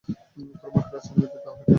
ঘোড়া মার্কা রাজনীতিবিদদের তাহলে কী হবে?